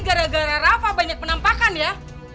gara gara rafa banyak penampakan ya